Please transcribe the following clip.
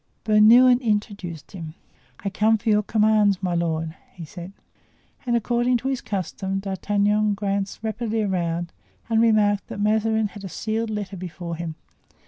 Bernouin introduced him. "I come for your commands, my lord," he said. And according to his custom D'Artagnan glanced rapidly around and remarked that Mazarin had a sealed letter before him.